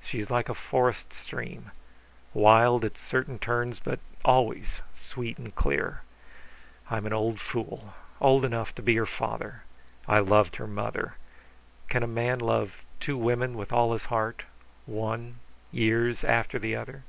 She is like a forest stream, wild at certain turns, but always sweet and clear. I'm an old fool, old enough to be her father. I loved her mother. Can a man love two women with all his heart, one years after the other?"